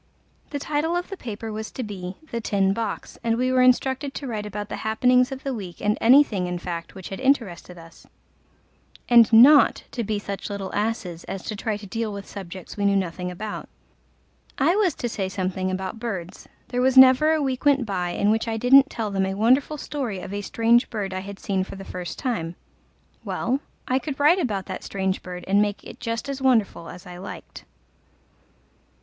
The title of the paper was to be The Tin Box, and we were instructed to write about the happenings of the week and anything in fact which had interested us, and not to be such little asses as to try to deal with subjects we knew nothing about. I was to say something about birds: there was never a week went by in which I didn't tell them a wonderful story of a strange bird I had seen for the first time: well, I could write about that strange bird and make it just as wonderful as I liked.